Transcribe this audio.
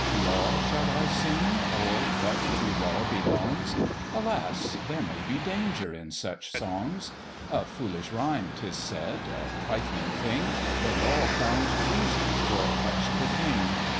Law shall I sing, or what to Law belongs? Alas! there may be danger in such songs; A foolish rhyme, 'tis said, a trifling thing, The law found treason, for it touch'd the King.